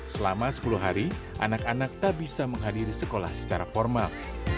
selama sepuluh hari anak anak tak bisa menghadiri sekolah secara formal